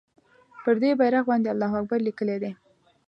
پر دې بېرغ باندې الله اکبر لیکلی دی.